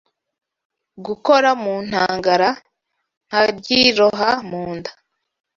Gukora mu ntagara Nkalyiroha mu nda